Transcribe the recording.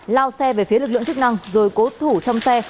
lao xe về phía lực lượng chức năng rồi cố thủ trong xe